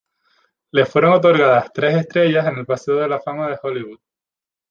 Le fueron otorgadas tres estrellas en el Paseo de la Fama de Hollywood.